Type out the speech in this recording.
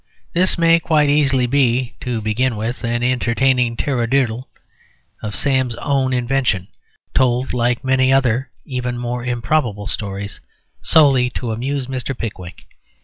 This may quite easily be (to begin with) an entertaining tarradiddle of Sam's own invention, told, like many other even more improbable stories, solely to amuse Mr. Pickwick.